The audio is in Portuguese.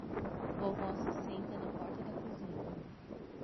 Vovó se senta na porta da cozinha